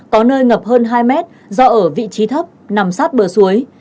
có nơi ngập hơn hai mét do ở vị trí thấp nằm sát bờ suối